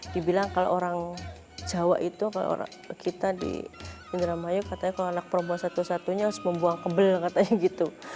dibilang kalau orang jawa itu kalau kita di indramayu katanya kalau anak perempuan satu satunya harus membuang kebel katanya gitu